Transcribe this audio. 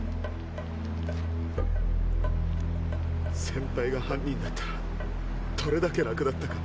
先輩が犯人だったらどれだけ楽だったか。